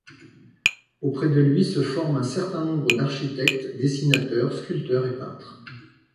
Auprès de lui se forme un certain nombre d'architecte, dessinateurs, sculpteurs et peintres.